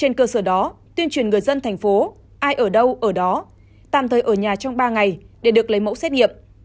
trên cơ sở đó tuyên truyền người dân thành phố ai ở đâu ở đó tạm thời ở nhà trong ba ngày để được lấy mẫu xét nghiệm